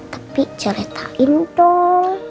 tapi ceritain dong